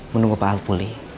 menunggu pak al pulih